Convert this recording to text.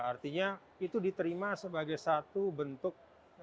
artinya itu diterima sebagai satu bentuk